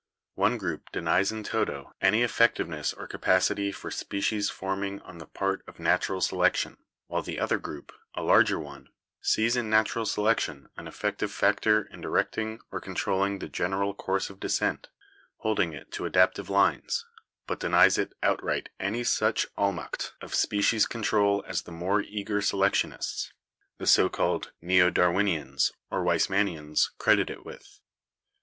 One group denies in toto any 2o6 BIOLOGY effectiveness or capacity for species forming on the part of natural selection, while the other group, a larger one, sees in natural selection an effective factor in directing or controlling the general course of descent, holding it to adaptive lines, but denies it outright any such 'Allmacht' of species control as the more eager selectionists, the so called neo Darwinians or Weismannians, credit it with.